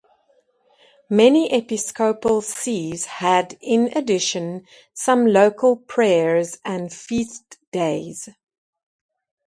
Many episcopal sees had in addition some local prayers and feast days.